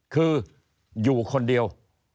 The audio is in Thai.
คืออยู่คนเดียว